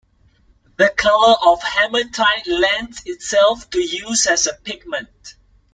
The color of hematite lends itself to use as a pigment.